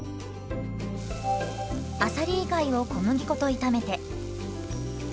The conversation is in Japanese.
あさり以外を小麦粉と炒めて。